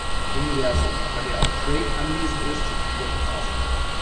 Universum, bei der auch Craig anwesend ist, in der Endphase.